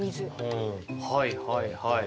ほうはいはいはい。